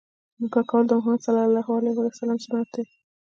نکاح کول د مُحَمَّد ﷺ سنت دی.